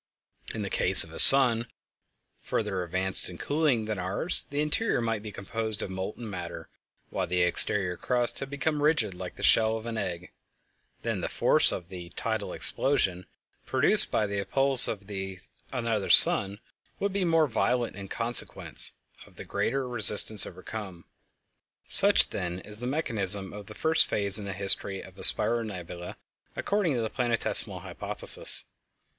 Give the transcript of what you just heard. In the case of a sun further advanced in cooling than ours the interior might be composed of molten matter while the exterior crust had become rigid like the shell of an egg; then the force of the "tidal explosion" produced by the appulse of another sun would be more violent in consequence of the greater resistance overcome. Such, then, is the mechanism of the first phase in the history of a spiral nebula according to the Planetesimal Hypothesis.